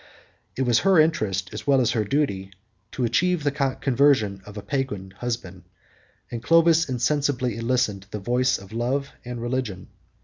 It was her interest, as well as her duty, to achieve the conversion 26 of a Pagan husband; and Clovis insensibly listened to the voice of love and religion.